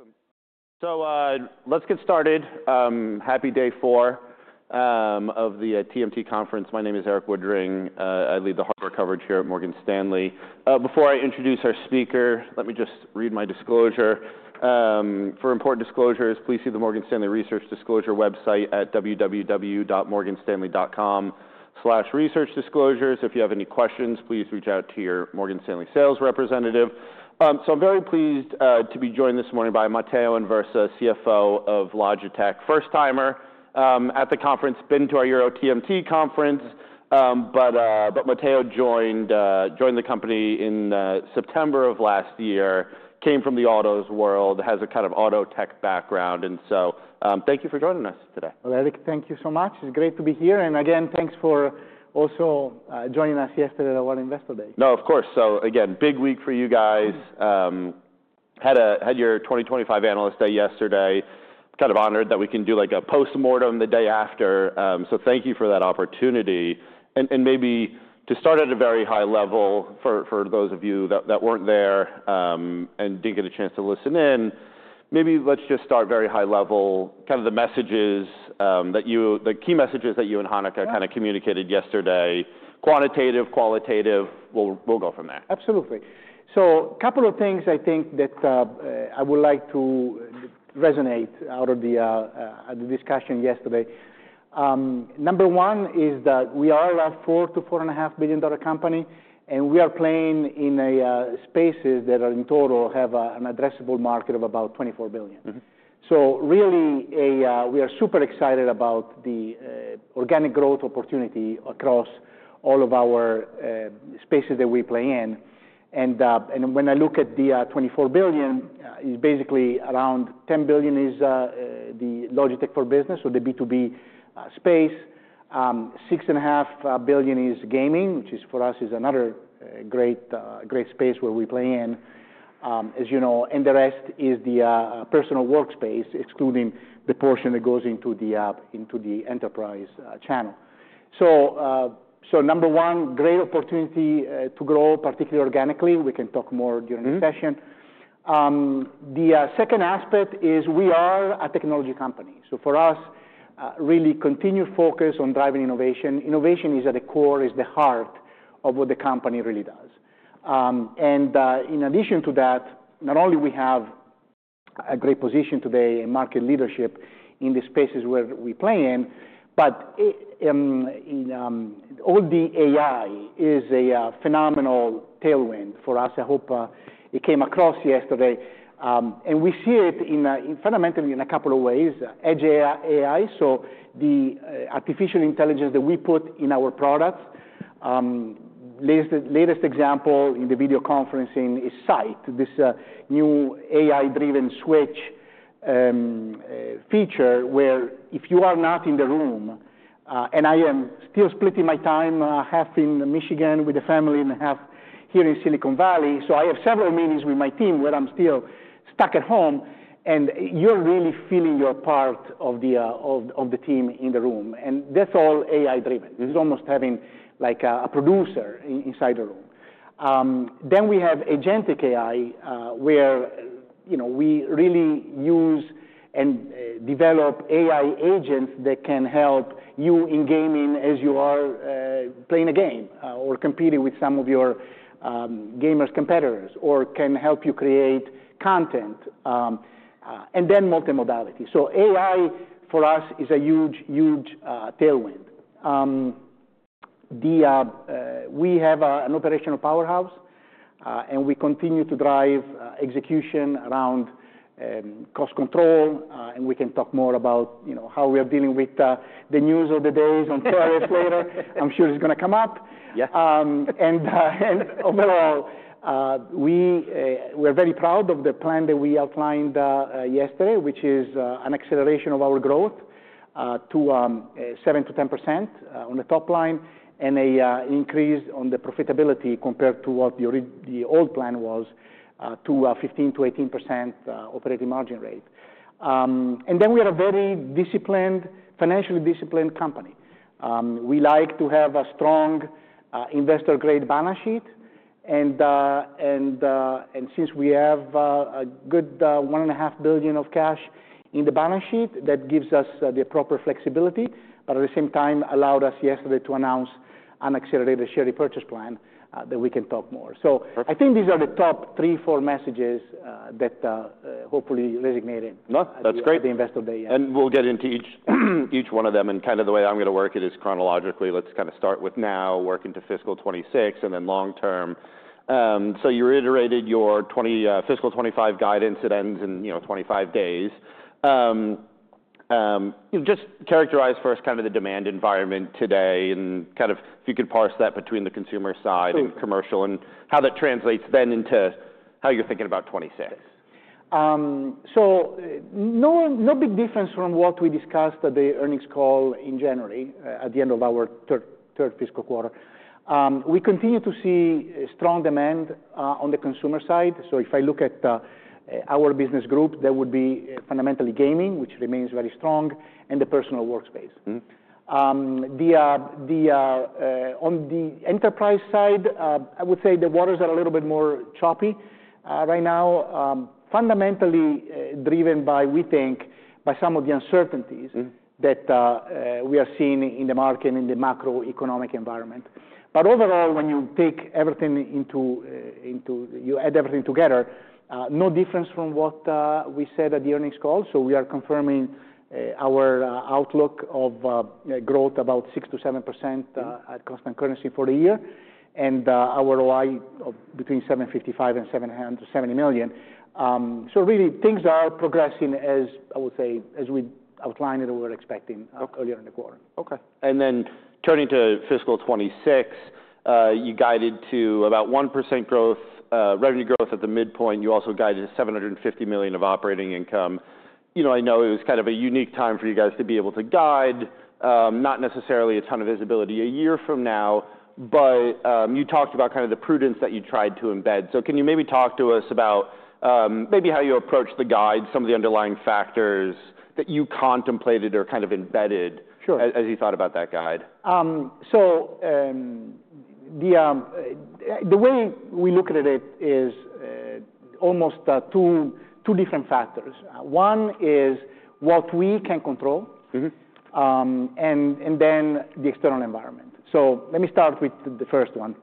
Awesome. So, let's get started. Happy day four of the TMT Conference. My name is Erik Woodring. I lead the hardware coverage here at Morgan Stanley. Before I introduce our speaker, let me just read my disclosure. For important disclosures, please see the Morgan Stanley research disclosure website at www.morganstanley.com/researchdisclosures. If you have any questions, please reach out to your Morgan Stanley sales representative. So I'm very pleased to be joined this morning by Matteo Anversa, CFO of Logitech. First timer at the conference. Been to our Euro TMT Conference, but Matteo joined the company in September of last year. Came from the autos world. Has a kind of auto tech background. And so, thank you for joining us today. Erik, thank you so much. It's great to be here. Again, thanks for also joining us yesterday at our Investor Day. No, of course. Again, big week for you guys. Had your 2025 Analyst Day yesterday. Kind of honored that we can do like a post-mortem the day after. Thank you for that opportunity. Maybe to start at a very high level for those of you that weren't there and didn't get a chance to listen in, maybe let's just start very high level. Kind of the key messages that you and Hanneke kind of communicated yesterday. Quantitative, qualitative. We'll go from there. Absolutely. So a couple of things I think that I would like to resonate out of the discussion yesterday. Number one is that we are a $4 billion-$4.5 billion company, and we are playing in spaces that are in total have an addressable market of about $24 billion. Mm-hmm. So really, we are super excited about the organic growth opportunity across all of our spaces that we play in. And when I look at the $24 billion, it's basically around $10 billion is the Logitech for Business or the B2B space. $6.5 billion is gaming, which for us is another great, great space where we play in, as you know, and the rest is the personal workspace, excluding the portion that goes into the enterprise channel. So number one, great opportunity to grow particularly organically. We can talk more during the session. Mm-hmm. The second aspect is we are a technology company. So for us, really continued focus on driving innovation. Innovation is at the core, is the heart of what the company really does. And in addition to that, not only we have a great position today in market leadership in the spaces where we play in, but in all the AI is a phenomenal tailwind for us. I hope it came across yesterday. And we see it in fundamentally in a couple of ways. Edge AI, so the artificial intelligence that we put in our products. Latest example in the video conferencing is Sight. This new AI-driven switch feature where if you are not in the room, and I am still splitting my time, half in Michigan with the family and half here in Silicon Valley. So I have several meetings with my team where I'm still stuck at home. You're really feeling you're part of the team in the room. That's all AI-driven. Mm-hmm. It's almost having like a producer inside the room. Then we have agentic AI, where you know we really use and develop AI agents that can help you in gaming as you are playing a game, or competing with some of your gamers' competitors, or can help you create content, and then multimodality. So AI for us is a huge, huge tailwind. We have an operational powerhouse, and we continue to drive execution around cost control, and we can talk more about you know how we are dealing with the news of the days on Thursday later. I'm sure it's gonna come up. Yes. Overall, we're very proud of the plan that we outlined yesterday, which is an acceleration of our growth to 7%-10% on the top line. And an increase in profitability compared to what the original, the old plan was, to 15%-18% operating margin rate. We are a very disciplined, financially disciplined company. We like to have a strong, investor-grade balance sheet. And since we have a good $1.5 billion of cash in the balance sheet, that gives us the proper flexibility. But at the same time, allowed us yesterday to announce an accelerated share repurchase plan that we can talk more about. So. Perfect. I think these are the top three, four messages that hopefully resonated. No, that's great. At the Investor Day, yeah. We'll get into each one of them. Kind of the way I'm gonna work it is chronologically. Let's kind of start with now, work into fiscal 2026, and then long term. You reiterated your fiscal 2025 guidance. It ends in, you know, 25 days. You know, just characterize first kind of the demand environment today and kind of if you could parse that between the consumer side and commercial. Sure. And how that translates then into how you're thinking about 2026. Yes. So no, no big difference from what we discussed at the earnings call in January, at the end of our third fiscal quarter. We continue to see strong demand on the consumer side. So if I look at our business group, that would be fundamentally gaming, which remains very strong, and the personal workspace. Mm-hmm. On the enterprise side, I would say the waters are a little bit more choppy right now. Fundamentally, driven by, we think, by some of the uncertainties. Mm-hmm. That we are seeing in the market and in the macroeconomic environment, but overall, when you take everything into you add everything together, no difference from what we said at the earnings call, so we are confirming our outlook of growth about 6%-7% at constant currency for the year, and our OI of between $755 million and $770 million, so really things are progressing as I would say as we outlined and we were expecting. Okay. Earlier in the quarter. Okay. And then turning to fiscal 2026, you guided to about 1% growth, revenue growth at the midpoint. You also guided to $750 million of operating income. You know, I know it was kind of a unique time for you guys to be able to guide, not necessarily a ton of visibility a year from now. But, you talked about kind of the prudence that you tried to embed. So can you maybe talk to us about, maybe how you approached the guide, some of the underlying factors that you contemplated or kind of embedded? Sure. As you thought about that guide. The way we look at it is almost two different factors. One is what we can control. Mm-hmm. And then the external environment. So let me start with the first one.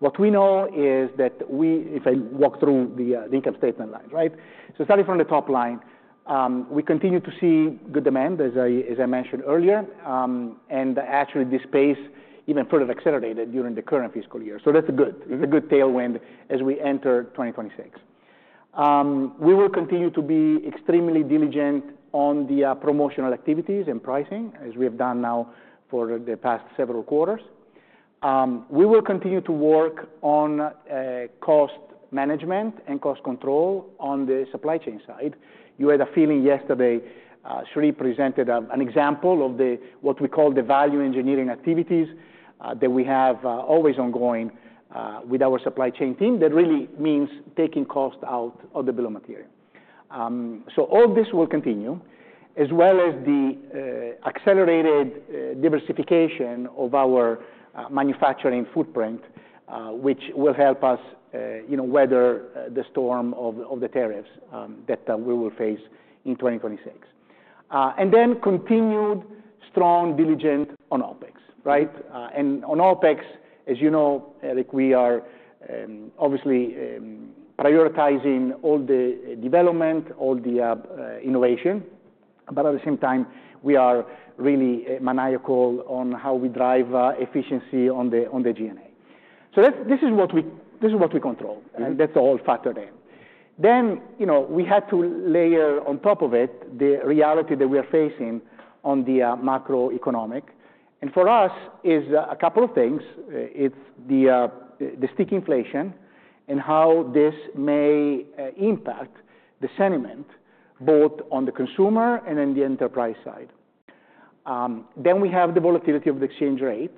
What we know is that, if I walk through the income statement line, right? So starting from the top line, we continue to see good demand as I mentioned earlier. And actually this pace even further accelerated during the current fiscal year. So that's good. Mm-hmm. It's a good tailwind as we enter 2026. We will continue to be extremely diligent on the promotional activities and pricing as we have done now for the past several quarters. We will continue to work on cost management and cost control on the supply chain side. You had a feeling yesterday. Sree presented an example of what we call the value engineering activities that we have always ongoing with our supply chain team. That really means taking cost out of the bill of material, so all this will continue, as well as the accelerated diversification of our manufacturing footprint, which will help us, you know, weather the storm of the tariffs that we will face in 2026, and then continued strong diligence on OpEx, right? And on OpEx, as you know, Erik, we are obviously prioritizing all the development, all the innovation. But at the same time, we are really maniacal on how we drive efficiency on the G&A. So that's what we control. Mm-hmm. That's all factored in. Then, you know, we had to layer on top of it the reality that we are facing on the macroeconomic. And for us, it's a couple of things. It's the sticky inflation and how this may impact the sentiment both on the consumer and in the enterprise side. Then we have the volatility of the exchange rate.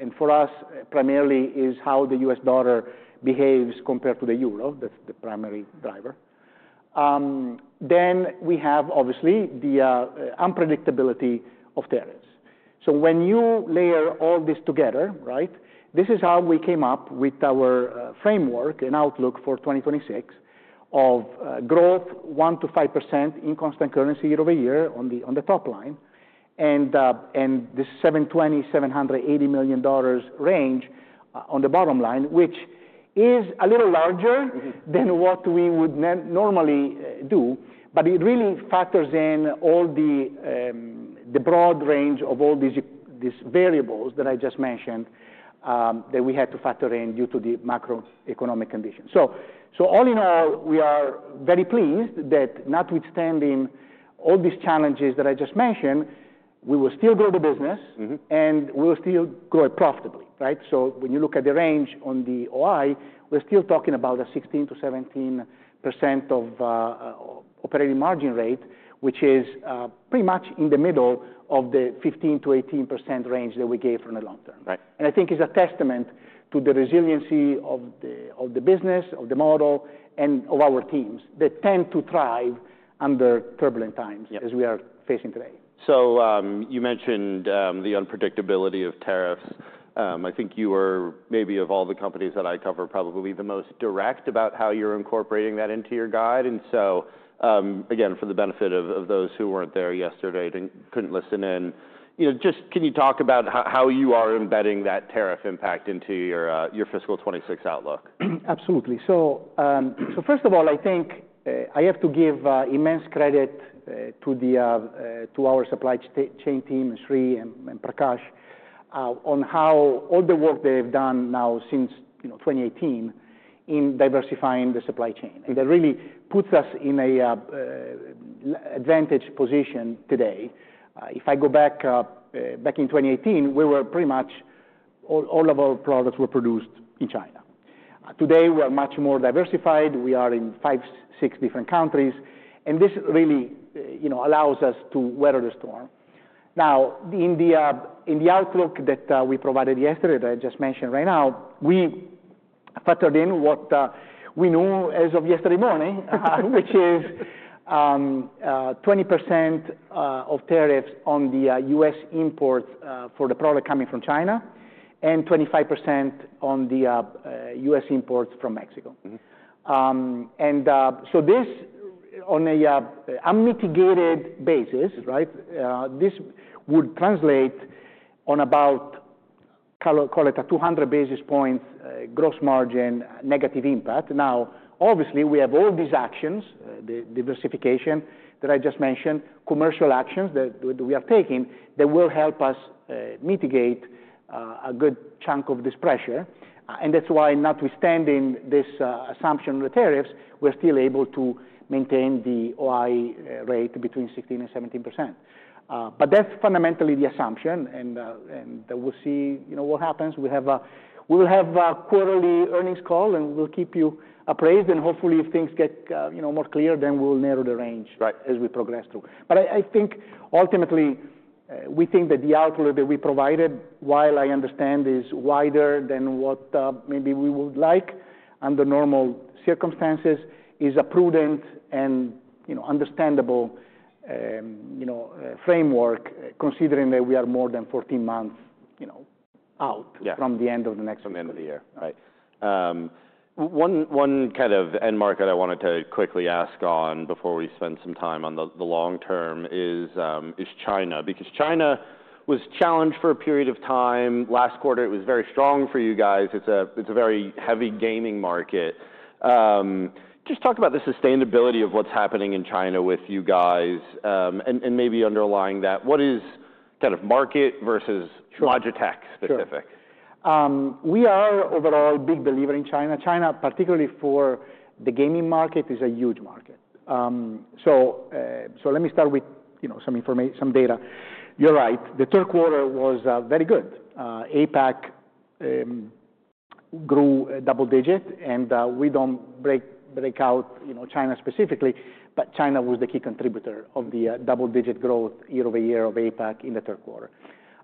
And for us, primarily is how the U.S. dollar behaves compared to the euro. That's the primary driver. Then we have obviously the unpredictability of tariffs. So when you layer all this together, right, this is how we came up with our framework and outlook for 2026 of growth 1%-5% in constant currency year-over-year on the top line. And this $720 million-$780 million range on the bottom line, which is a little larger. Mm-hmm. Than what we would normally do. But it really factors in all the broad range of all these variables that I just mentioned, that we had to factor in due to the macroeconomic condition. So all in all, we are very pleased that notwithstanding all these challenges that I just mentioned, we will still grow the business. Mm-hmm. And we'll still grow it profitably, right? So when you look at the range on the OI, we're still talking about a 16%-17% operating margin rate, which is pretty much in the middle of the 15%-18% range that we gave from the long term. Right. I think it's a testament to the resiliency of the business, of the model, and of our teams that tend to thrive under turbulent times. Yep. As we are facing today. So, you mentioned the unpredictability of tariffs. I think you were maybe of all the companies that I covered, probably the most direct about how you're incorporating that into your guide. And so, again, for the benefit of those who weren't there yesterday and couldn't listen in, you know, just can you talk about how you are embedding that tariff impact into your fiscal 2026 outlook? Absolutely, so first of all, I think I have to give immense credit to our supply chain team, Sree and Prakash, on how all the work they have done now since, you know, 2018 in diversifying the supply chain. Mm-hmm. That really puts us in an advantageous position today. If I go back in 2018, we were pretty much all of our products were produced in China. Today, we are much more diversified. We are in five, six different countries. This really, you know, allows us to weather the storm. Now, the in the outlook that we provided yesterday that I just mentioned right now, we factored in what we knew as of yesterday morning, which is 20% of tariffs on the U.S. imports for the product coming from China and 25% on the U.S. imports from Mexico. Mm-hmm. So this on an unmitigated basis, right? This would translate to about, call it, call it a 200 basis points gross margin negative impact. Now, obviously, we have all these actions, the diversification that I just mentioned, commercial actions that we are taking that will help us mitigate a good chunk of this pressure. That's why notwithstanding this assumption on the tariffs, we're still able to maintain the OI rate between 16% and 17%. But that's fundamentally the assumption. And we'll see, you know, what happens. We will have a quarterly earnings call, and we'll keep you apprised. And hopefully, if things get, you know, more clear, then we'll narrow the range. Right. As we progress through. But I think ultimately, we think that the outlook that we provided, while I understand is wider than what, maybe we would like under normal circumstances, is a prudent and, you know, understandable, you know, framework, considering that we are more than 14 months, you know, out. Yeah. From the end of the next year. From the end of the year. Right. One, one kind of end market I wanted to quickly ask on before we spend some time on the, the long term is, is China. Because China was challenged for a period of time. Last quarter, it was very strong for you guys. It's a, it's a very heavy gaming market. Just talk about the sustainability of what's happening in China with you guys, and, and maybe underlying that. What is kind of market versus Logitech specific? Sure. We are overall a big believer in China. China, particularly for the gaming market, is a huge market. Let me start with, you know, some information, some data. You're right. The third quarter was very good. APAC grew a double-digit. We don't break out, you know, China specifically, but China was the key contributor of the double-digit growth year-over-year of APAC in the third quarter.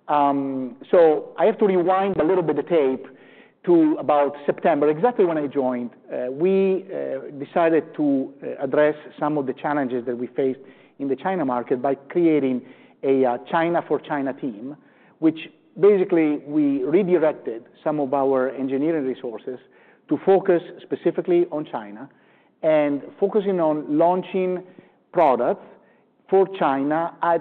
I have to rewind a little bit the tape to about September, exactly when I joined. We decided to address some of the challenges that we faced in the China market by creating a China for China team, which basically we redirected some of our engineering resources to focus specifically on China and focusing on launching products for China at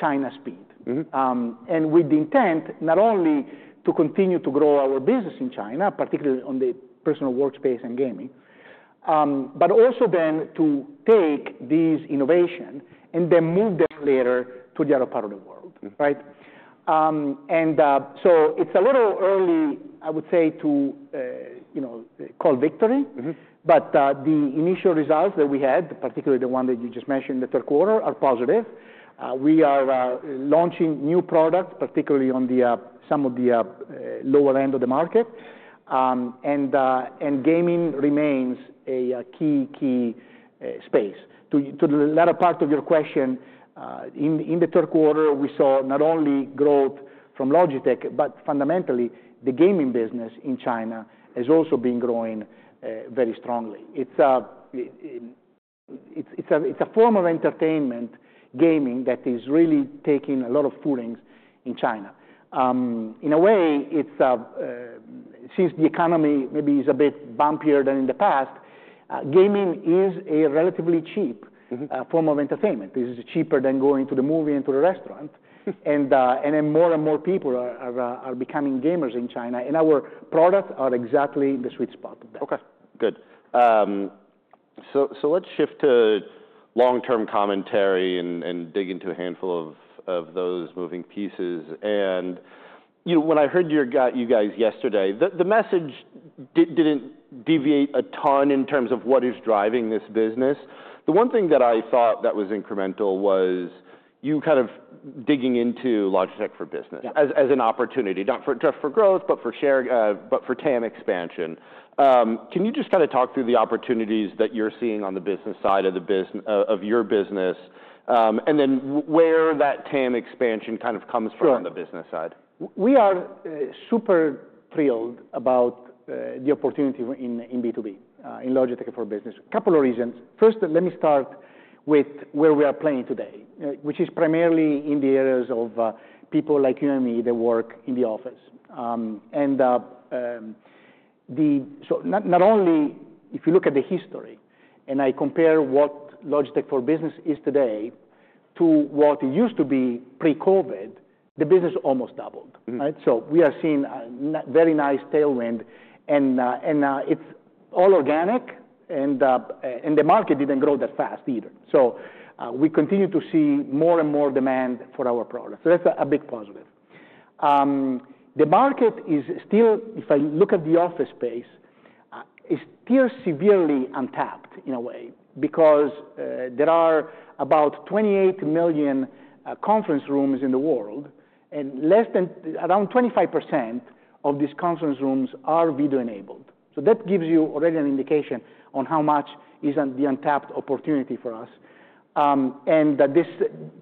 China speed. Mm-hmm. And with the intent not only to continue to grow our business in China, particularly on the personal workspace and gaming, but also then to take these innovations and then move them later to the other part of the world. Mm-hmm. Right? And so it's a little early, I would say, to you know, call victory. Mm-hmm. But the initial results that we had, particularly the one that you just mentioned in the third quarter, are positive. We are launching new products, particularly on some of the lower end of the market. And gaming remains a key space. To the latter part of your question, in the third quarter, we saw not only growth from Logitech, but fundamentally the gaming business in China has also been growing very strongly. It's a form of entertainment, gaming, that is really taking a lot of footing in China. In a way, it's since the economy maybe is a bit bumpier than in the past, gaming is a relatively cheap. Mm-hmm. Form of entertainment. This is cheaper than going to the movie and to the restaurant. Mm-hmm. More and more people are becoming gamers in China. Our products are exactly the sweet spot of that. Okay. Good. So let's shift to long-term commentary and dig into a handful of those moving pieces. You know, when I heard you guys yesterday, the message didn't deviate a ton in terms of what is driving this business. The one thing that I thought that was incremental was you kind of digging into Logitech for Business. Yeah. As an opportunity, not just for growth, but for share, but for TAM expansion. Can you just kind of talk through the opportunities that you're seeing on the business side of your business, and then where that TAM expansion kind of comes from on the business side? Sure. We are super thrilled about the opportunity in B2B, in Logitech for Business. Couple of reasons. First, let me start with where we are playing today, which is primarily in the areas of people like you and me that work in the office. And so not only if you look at the history and I compare what Logitech for Business is today to what it used to be pre-COVID, the business almost doubled. Mm-hmm. Right? So we are seeing a very nice tailwind. And, it's all organic. And the market didn't grow that fast either. So, we continue to see more and more demand for our products. So that's a big positive. The market is still, if I look at the office space, severely untapped in a way because there are about 28 million conference rooms in the world, and less than around 25% of these conference rooms are video enabled. So that gives you already an indication on how much is the untapped opportunity for us. And that this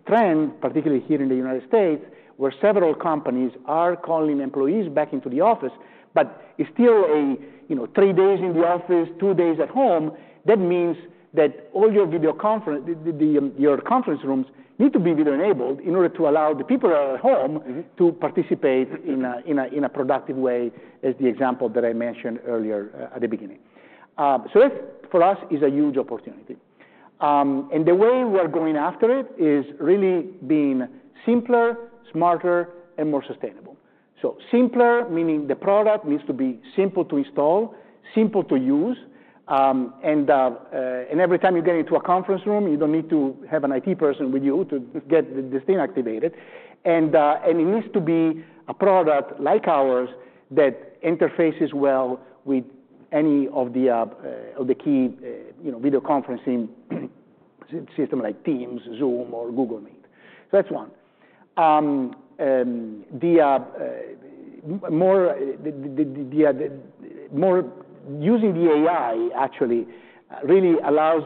trend, particularly here in the United States, where several companies are calling employees back into the office, but it's still a, you know, three days in the office, two days at home, that means that all your video conference, your conference rooms need to be video enabled in order to allow the people that are at home. Mm-hmm. To participate in a productive way, as the example that I mentioned earlier, at the beginning. So that for us is a huge opportunity. And the way we are going after it is really being simpler, smarter, and more sustainable. So simpler, meaning the product needs to be simple to install, simple to use. And every time you get into a conference room, you don't need to have an IT person with you to get the thing activated. And it needs to be a product like ours that interfaces well with any of the key, you know, video conferencing system like Teams, Zoom, or Google Meet. So that's one. The more using the AI actually really allows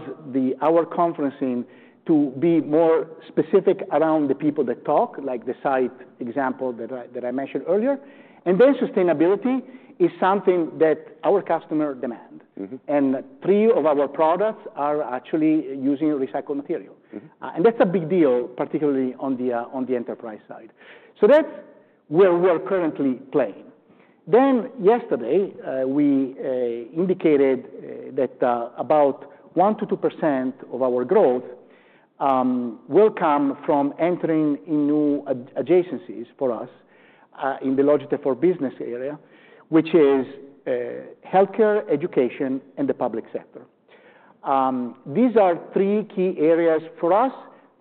our conferencing to be more specific around the people that talk, like the Sight example that I mentioned earlier. And then sustainability is something that our customer demand. Mm-hmm. Three of our products are actually using recycled material. Mm-hmm. And that's a big deal, particularly on the enterprise side. So that's where we are currently playing. Then yesterday we indicated that about 1%-2% of our growth will come from entering in new adjacencies for us in the Logitech for Business area, which is healthcare, education, and the public sector. These are three key areas for us,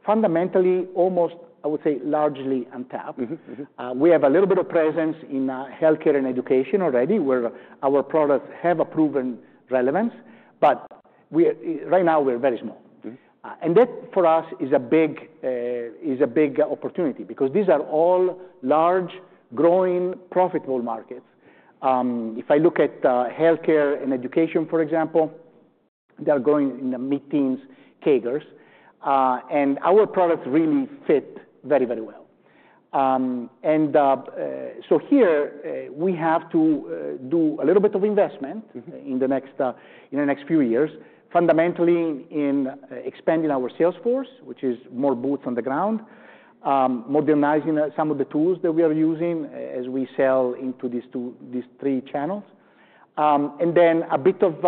fundamentally almost. I would say largely untapped. Mm-hmm. Mm-hmm. We have a little bit of presence in healthcare and education already, where our products have a proven relevance, but we're right now very small. Mm-hmm. And that for us is a big opportunity because these are all large, growing, profitable markets. If I look at healthcare and education, for example, they are growing in the mid-teens CAGRs, and so here we have to do a little bit of investment. Mm-hmm. In the next few years, fundamentally in expanding our sales force, which is more boots on the ground, modernizing some of the tools that we are using as we sell into these three channels, and then a bit of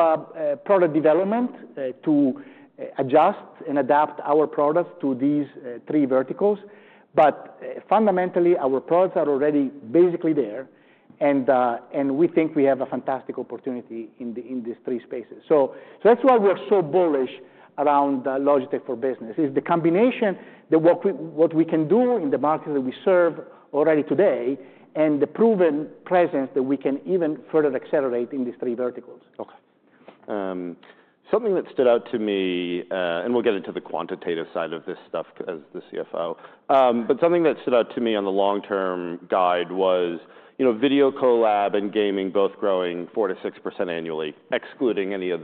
product development to adjust and adapt our products to these three verticals, but fundamentally, our products are already basically there, and we think we have a fantastic opportunity in these three spaces, so that's why we are so bullish around Logitech for Business, is the combination that what we can do in the market that we serve already today and the proven presence that we can even further accelerate in these three verticals. Okay. Something that stood out to me, and we'll get into the quantitative side of this stuff as the CFO, but something that stood out to me on the long-term guide was, you know, video collab and gaming both growing 4%-6% annually, excluding any of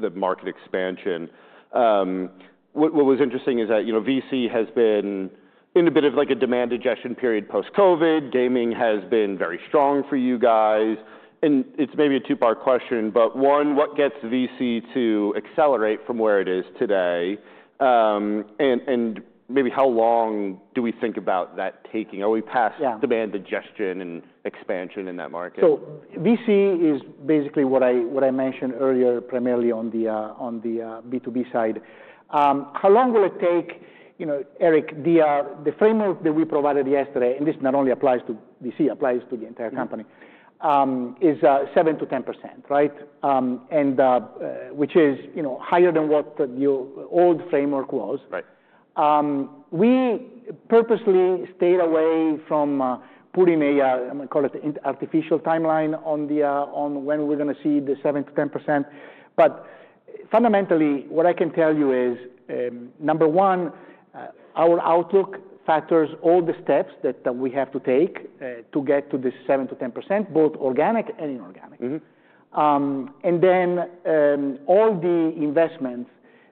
the market expansion. What was interesting is that, you know, VC has been in a bit of like a demand ingestion period post-COVID. Gaming has been very strong for you guys. And it's maybe a two-part question, but one, what gets VC to accelerate from where it is today? And, and maybe how long do we think about that taking? Are we past. Yeah. Demand ingestion and expansion in that market? So VC is basically what I mentioned earlier, primarily on the B2B side. How long will it take? You know, Erik, the framework that we provided yesterday, and this not only applies to VC, applies to the entire company. Mm-hmm. Is 7%-10%, right? And which is, you know, higher than what the old framework was. Right. We purposely stayed away from putting a, I'm gonna call it, an artificial timeline on when we're gonna see the 7%-10%. But fundamentally, what I can tell you is, number one, our outlook factors all the steps that we have to take, to get to this 7%-10%, both organic and inorganic. Mm-hmm. And then all the investments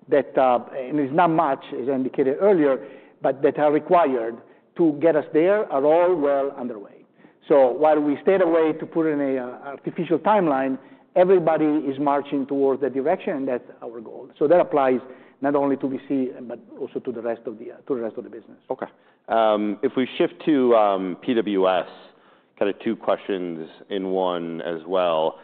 that and it's not much as I indicated earlier but that are required to get us there are all well underway. So while we stayed away to put in a artificial timeline everybody is marching towards that direction and that's our goal. So that applies not only to VC but also to the rest of the business. Okay. If we shift to PWS, kind of two questions in one as well.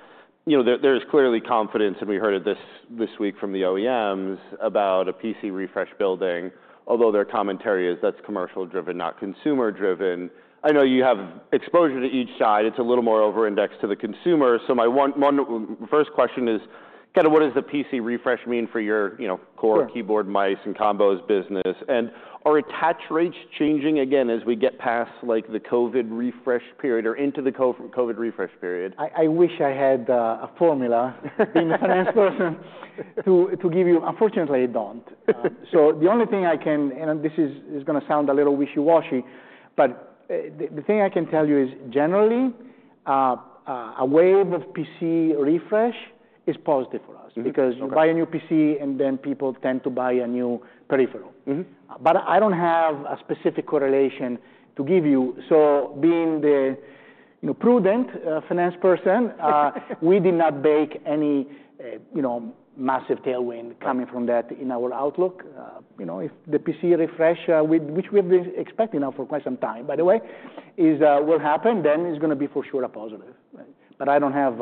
You know, there is clearly confidence, and we heard it this week from the OEMs about a PC refresh building, although their commentary is that's commercial-driven, not consumer-driven. I know you have exposure to each side. It's a little more over-indexed to the consumer. So my first question is kind of what does the PC refresh mean for your, you know, core. Right. Keyboards, mice, and combos business? And are attach rates changing again as we get past, like, the COVID refresh period or into the COVID refresh period? I wish I had a formula in finance person to give you. Unfortunately, I don't. So the only thing I can, and this is gonna sound a little wishy-washy, but the thing I can tell you is generally a wave of PC refresh is positive for us. Mm-hmm. Because you buy a new PC, and then people tend to buy a new peripheral. Mm-hmm. But I don't have a specific correlation to give you. So being the, you know, prudent finance person, we did not bake any, you know, massive tailwind coming from that in our outlook. You know, if the PC refresh, which we have been expecting now for quite some time, by the way, is, will happen, then it's gonna be for sure a positive. But I don't have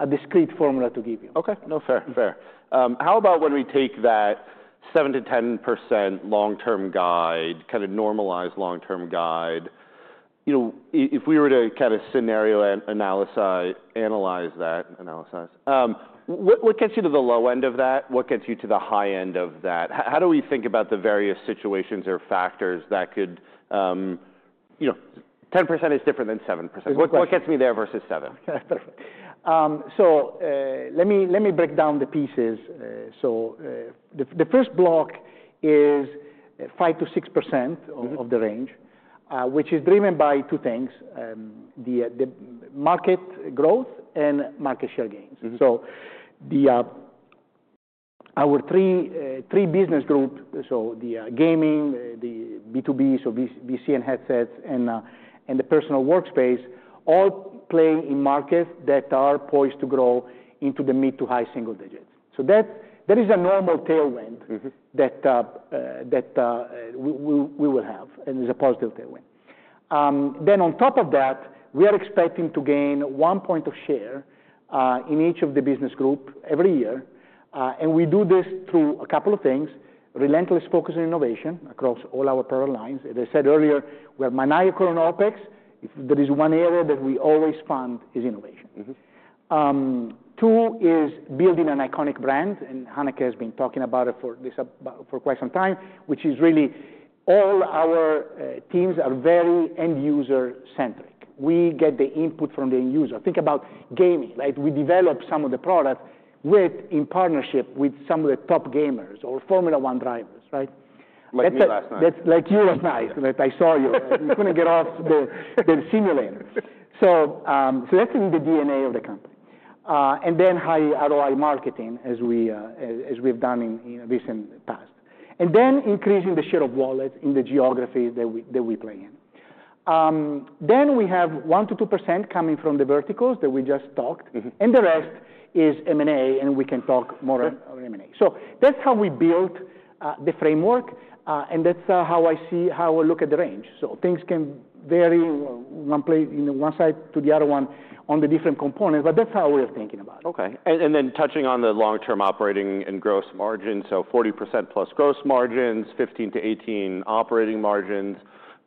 a discrete formula to give you. Okay. No, fair, fair. How about when we take that 7%-10% long-term guide, kind of normalized long-term guide, you know, if we were to kind of scenario and analyze that, what gets you to the low end of that? What gets you to the high end of that? How do we think about the various situations or factors that could, you know, 10% is different than 7%. Exactly. What gets me there versus 7%? Okay. Perfect. Let me break down the pieces. The first block is 5%-6% of the range. Mm-hmm. Which is driven by two things, the market growth and market share gains. Mm-hmm. Our three business groups, the gaming, the B2B, VC and headsets, and the personal workspace all play in markets that are poised to grow into the mid to high single digits. That is a normal tailwind. Mm-hmm. That we will have, and it's a positive tailwind, then on top of that, we are expecting to gain one point of share in each of the business groups every year, and we do this through a couple of things: relentless focus on innovation across all our product lines. As I said earlier, we are maniacal on OpEx. If there is one area that we always fund, it is innovation. Mm-hmm. Two is building an iconic brand, and Hanneke has been talking about it for quite some time, which is really all our teams are very end-user-centric. We get the input from the end user. Think about gaming. Like, we develop some of the products with, in partnership with some of the top gamers or Formula One drivers, right? Like you last night. That's like you last night that I saw you. You couldn't get off the simulator. So that's in the DNA of the company. And then high ROI marketing as we've done in recent past. And then increasing the share of wallets in the geography that we play in. Then we have 1%-2% coming from the verticals that we just talked. Mm-hmm. The rest is M&A, and we can talk more on M&A. That's how we built the framework. That's how I see how I look at the range. Things can vary one way on one side to the other on the different components, but that's how we are thinking about it. Okay. And then touching on the long-term operating and gross margin, so 40%+ gross margins, 15%-18% operating margins,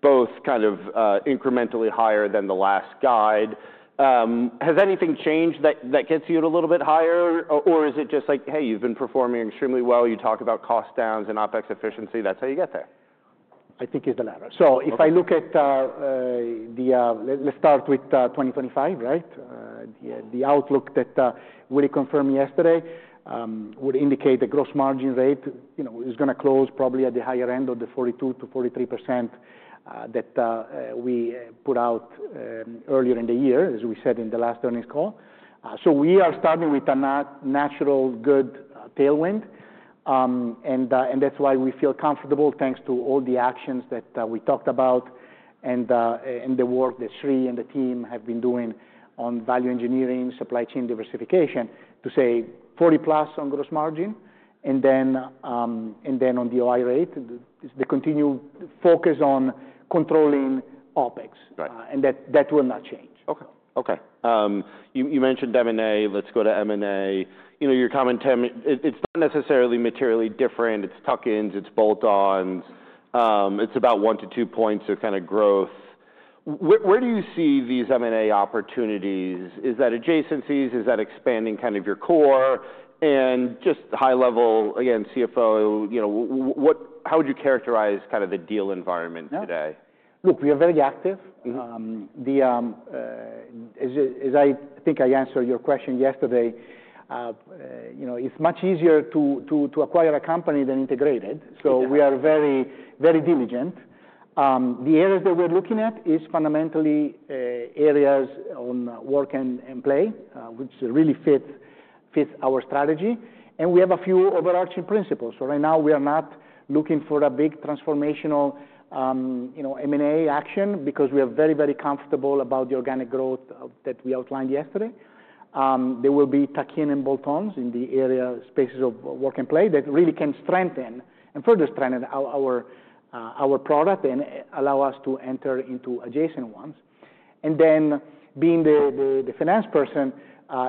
both kind of incrementally higher than the last guide. Has anything changed that gets you to a little bit higher, or is it just like, hey, you've been performing extremely well? You talk about cost downs and OpEx efficiency. That's how you get there. I think it's the latter, so if I look at the, let's start with 2025, right? The outlook that we reconfirmed yesterday would indicate the gross margin rate, you know, is gonna close probably at the higher end of the 42%-43%, that we put out earlier in the year, as we said in the last earnings call, so we are starting with a natural good tailwind, and that's why we feel comfortable thanks to all the actions that we talked about and the work that Sri and the team have been doing on value engineering, supply chain diversification to say 40%+ on gross margin. And then on the OI rate, the continual focus on controlling OpEx. Right. And that will not change. Okay, you mentioned M&A. Let's go to M&A. You know, your comment to me, it's not necessarily materially different. It's tuck-ins. It's bolt-ons. It's about one to two points of kind of growth. Where do you see these M&A opportunities? Is that adjacencies? Is that expanding kind of your core? And just high level, again, CFO, you know, what, how would you characterize kind of the deal environment today? Now, look, we are very active. Mm-hmm. As I think I answered your question yesterday, you know, it's much easier to acquire a company than integrate it. Mm-hmm. So we are very, very diligent. The areas that we're looking at is fundamentally areas on work and play, which really fits our strategy. And we have a few overarching principles. So right now, we are not looking for a big transformational, you know, M&A action because we are very, very comfortable about the organic growth that we outlined yesterday. There will be tuck-in and bolt-ons in the area spaces of work and play that really can strengthen and further strengthen our product and allow us to enter into adjacent ones. And then being the finance person,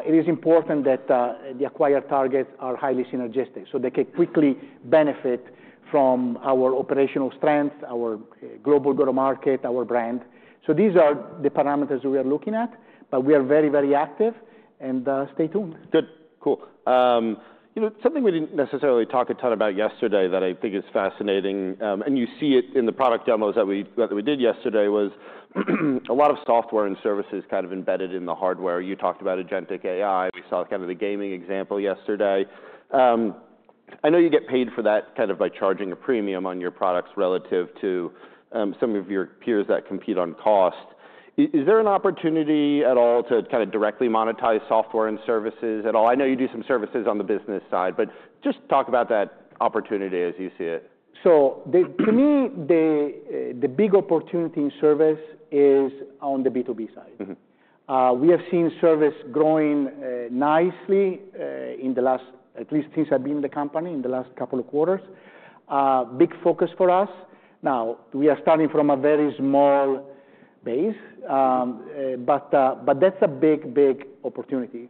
it is important that the acquired targets are highly synergistic so they can quickly benefit from our operational strength, our global go-to-market, our brand. So these are the parameters that we are looking at, but we are very, very active. And stay tuned. Good. Cool. You know, something we didn't necessarily talk a ton about yesterday that I think is fascinating, and you see it in the product demos that we did yesterday was a lot of software and services kind of embedded in the hardware. You talked about agentic AI. We saw kind of the gaming example yesterday. I know you get paid for that kind of by charging a premium on your products relative to some of your peers that compete on cost. Is there an opportunity at all to kind of directly monetize software and services at all? I know you do some services on the business side, but just talk about that opportunity as you see it. To me, the big opportunity in service is on the B2B side. Mm-hmm. We have seen service growing nicely in the last, at least since I've been in the company, in the last couple of quarters. Big focus for us. Now, we are starting from a very small base. But, but that's a big, big opportunity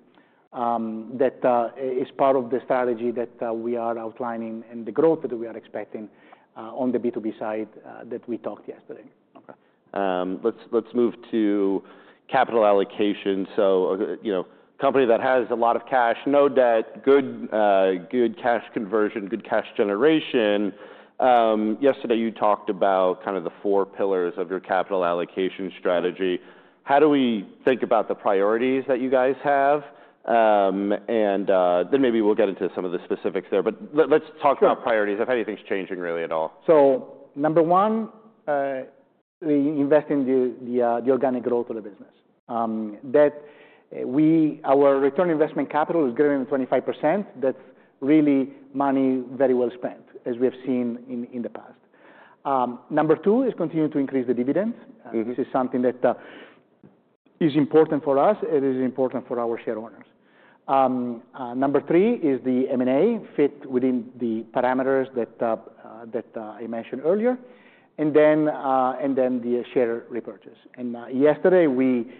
that is part of the strategy that we are outlining and the growth that we are expecting on the B2B side that we talked yesterday. Okay. Let's move to capital allocation. So, you know, company that has a lot of cash, no debt, good, good cash conversion, good cash generation. Yesterday you talked about kind of the four pillars of your capital allocation strategy. How do we think about the priorities that you guys have? And then maybe we'll get into some of the specifics there. But let's talk about priorities. Sure. If anything's changing really at all. So number one, we invest in the organic growth of the business that our return on investment capital is greater than 25%. That's really money very well spent, as we have seen in the past. Number two is continue to increase the dividends. Mm-hmm. This is something that is important for us. It is important for our share owners. Number three is the M&A fit within the parameters that I mentioned earlier, and then the share repurchase, and yesterday we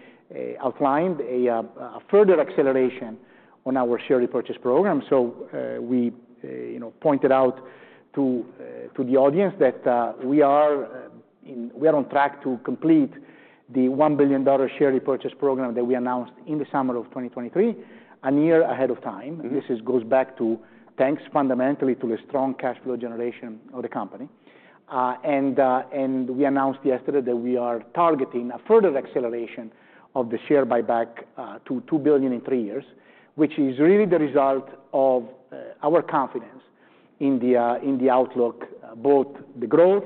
outlined a further acceleration on our share repurchase program, so we, you know, pointed out to the audience that we are on track to complete the $1 billion share repurchase program that we announced in the summer of 2023, a year ahead of time. Mm-hmm. This goes back to thanks fundamentally to the strong cash flow generation of the company, and we announced yesterday that we are targeting a further acceleration of the share buyback to $2 billion in three years, which is really the result of our confidence in the outlook, both the growth,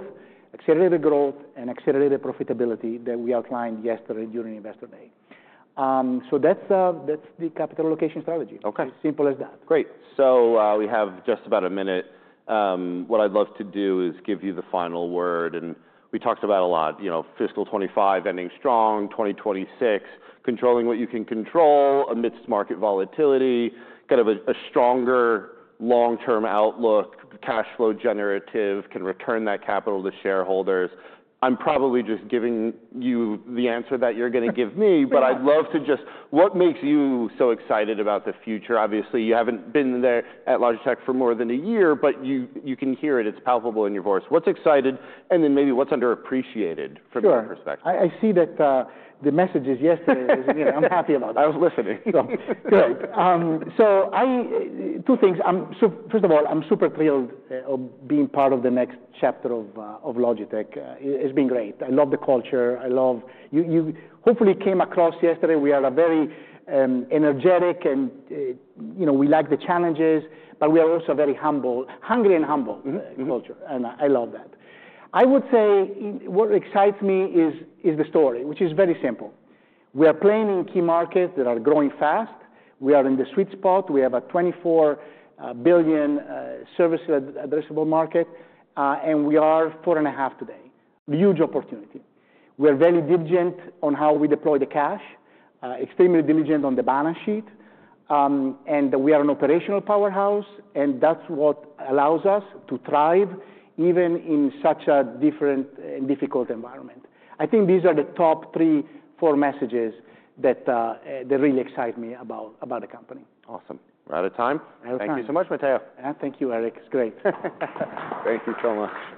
accelerated growth, and accelerated profitability that we outlined yesterday during Investor Day, so that's the capital allocation strategy. Okay. It's as simple as that. Great. So, we have just about a minute. What I'd love to do is give you the final word. And we talked about a lot, you know, fiscal 2025 ending strong, 2026 controlling what you can control amidst market volatility, kind of a stronger long-term outlook, cash flow generative, can return that capital to shareholders. I'm probably just giving you the answer that you're gonna give me. Mm-hmm. But I'd love to just what makes you so excited about the future? Obviously, you haven't been there at Logitech for more than a year, but you, you can hear it. It's palpable in your voice. What's exciting? And then maybe what's underappreciated from your perspective? Sure. I see that the messages yesterday is, you know, I'm happy about that. I was listening. So, good. So, I have two things. So, first of all, I'm super thrilled to be part of the next chapter of Logitech. It's been great. I love the culture. I love it. You hopefully came across yesterday. We are a very energetic and, you know, we like the challenges, but we are also very humble and hungry. Mm-hmm. Culture. And I love that. I would say what excites me is the story, which is very simple. We are playing in key markets that are growing fast. We are in the sweet spot. We have a $24 billion serviceable addressable market, and we are 4 and a half today. Huge opportunity. We are very diligent on how we deploy the cash, extremely diligent on the balance sheet, and we are an operational powerhouse, and that's what allows us to thrive even in such a different and difficult environment. I think these are the top three, four messages that really excite me about the company. Awesome. We're out of time. I hope so. Thank you so much, Matteo. Thank you, Erik. It's great. Thank you so much.